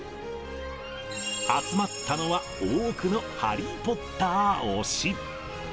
集まったのは、多くのハリー・ポッター推し。